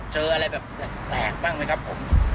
เจออะไรแบบแปลกบ้างไหมครับผม